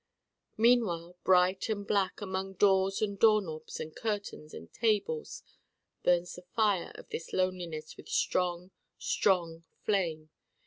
Meanwhile bright and black among Doors and Door knobs and Curtains and Tables burns the fire of this Loneliness with strong, strong flame.